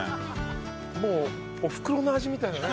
もうおふくろの味みたいなね。